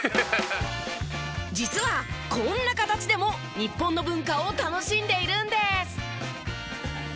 実はこんな形でも日本の文化を楽しんでいるんです。